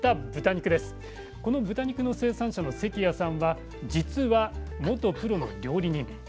この豚肉の生産者の関谷さんは実は元プロの料理人。